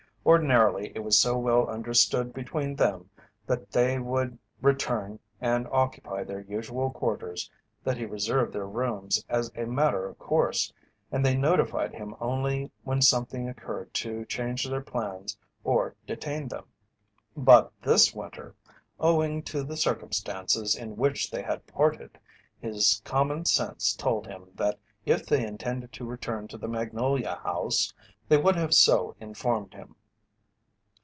Ordinarily, it was so well understood between them that they would return and occupy their usual quarters that he reserved their rooms as a matter of course and they notified him only when something occurred to change their plans or detain them. But this winter, owing to the circumstances in which they had parted, his common sense told him that if they intended to return to the Magnolia House they would have so informed him.